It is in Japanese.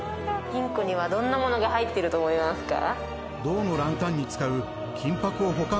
金庫にはどんなものが入ってると思いますか？